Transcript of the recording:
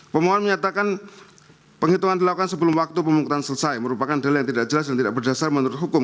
pemohon menyatakan penghitungan dilakukan sebelum waktu pemungutan selesai merupakan dela yang tidak jelas dan tidak berdasar menurut hukum